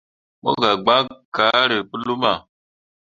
Me gah gbakke kaare pu luma.